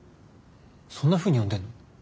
そんなふうに呼んでんの？